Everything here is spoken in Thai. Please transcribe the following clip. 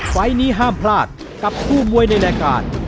ไฟล์นี้ห้ามพลาดกับคู่มวยในรายการ